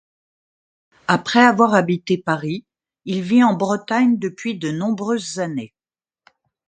Après avoir habité Paris, il vit en Bretagne depuis de nombreuses années.